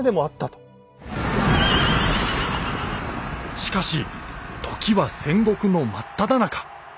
しかし時は戦国のまっただ中。